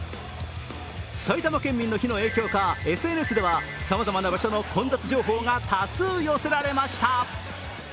埼玉県民の日の影響か、ＳＮＳではさまざまな場所の混雑情報が多数寄せられました。